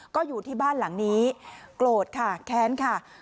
ก็อยู่ที่บ้านหลังนี้โกรธค่ะแค้นค่ะ